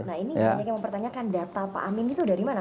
nah ini banyak yang mempertanyakan data pak amin itu dari mana